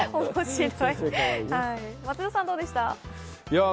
松田さん、どうでした？